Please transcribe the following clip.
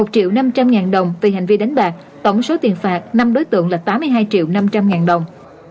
một triệu năm trăm linh đồng về hành vi đánh bạc tổng số tiền phạt năm đối tượng là tám mươi hai triệu năm trăm linh đồng